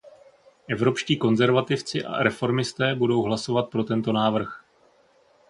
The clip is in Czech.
Evropští konzervativci a reformisté budou hlasovat pro tento návrh.